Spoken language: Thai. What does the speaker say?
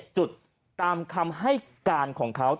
จุดตามคำให้การของเขา